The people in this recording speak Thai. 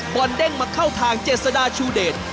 บอลเด้งมาเข้าทางเจษดาชูเดช